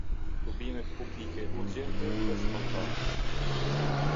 Tubimet publike urgjente dhe spontane.